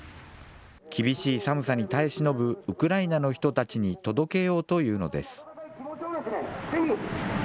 厳しい寒さに耐え忍ぶウクライナの人たちに届けようというのです。